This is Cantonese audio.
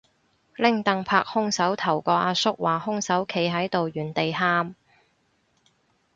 拎櫈拍兇手頭個阿叔話兇手企喺度原地喊